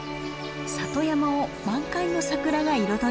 里山を満開のサクラが彩ります。